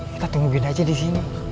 kita tunggu binda aja di sini